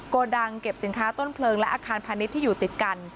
โกดังเก็บสินค้าต้นเพลิงและอาคารพาณิชย์ที่อยู่ติดกัน